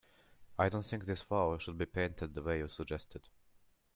I don't think this wall should be painted the way you suggested.